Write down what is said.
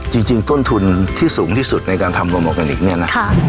จริงต้นทุนที่สูงที่สุดในการทำโรแกนิคเนี่ยนะ